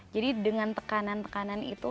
jadi dengan tekanan tekanan itu